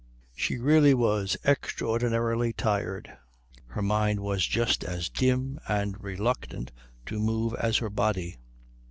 She really was extraordinarily tired. Her mind was just as dim and reluctant to move as her body.